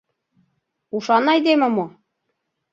Ушан айдеме мо?